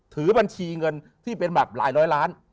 ถือบัญชีเงินที่เป็นแบบหลายร้อยล้าน